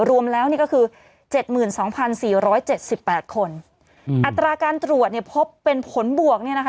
รวมแล้วนี่ก็คือเจ็ดหมื่นสองพันสี่ร้อยเจ็ดสิบแปดคนอืมอัตราการตรวจเนี่ยพบเป็นผลบวกเนี่ยนะคะ